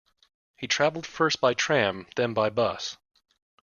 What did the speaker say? He travelled first by tram, then by bus